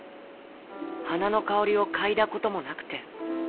はなのかおりをかいだこともなくて。